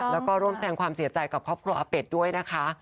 แล้วก็ร่วมแสงความเสียใจกับครอบครัวอาเป็ดด้วยนะคะ